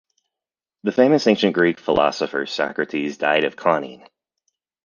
The famous ancient Greek philosopher Socrates died of coniine.